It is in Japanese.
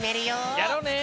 やろうね！